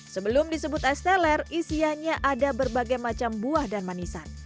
sebelum disebut es teler isiannya ada berbagai macam buah dan manisan